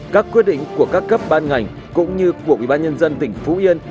các quyết định của các cấp ban ngành cũng như của quỹ bán nhân dân tỉnh phú yên